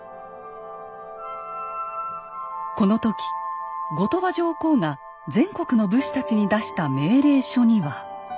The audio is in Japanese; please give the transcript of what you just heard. この時後鳥羽上皇が全国の武士たちに出した命令書には。